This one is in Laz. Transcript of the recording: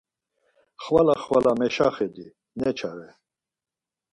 Xvala xvala meşaxedi ne çare